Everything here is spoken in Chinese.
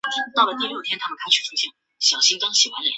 故事主要以静冈县及东京都江东区深川为主要场景。